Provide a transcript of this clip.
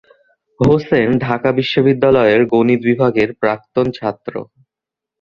হোসেন ঢাকা বিশ্ববিদ্যালয়ের গণিত বিভাগের প্রাক্তন ছাত্র।